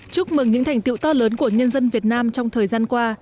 chúc mừng những thành tiệu to lớn của nhân dân việt nam trong thời gian qua